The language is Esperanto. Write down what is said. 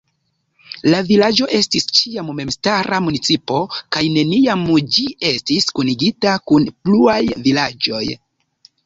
La vilaĝo estis ĉiam memstara municipo kaj neniam ĝi estis kunigita kun pluaj vilaĝoj.